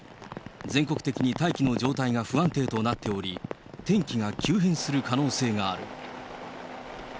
全国的に大気の状態が不安定となっており、天気が急変する可能性がある。